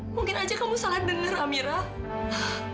mungkin aja kamu salah denger amirah